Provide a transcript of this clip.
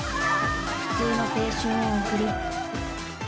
「普通の青春を送り」